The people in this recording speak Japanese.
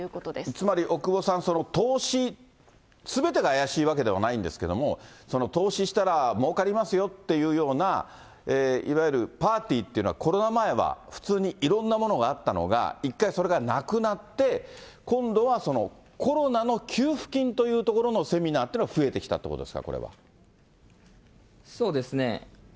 つまり奥窪さん、投資すべてが怪しいわけではないんですけど、その投資したらもうかりますよっていうような、いわゆるパーティーっていうのは、コロナ前は普通にいろんなものがあったのが、一回それがなくなって、今度はコロナの給付金というところのセミナーというのは増えてきそうですね。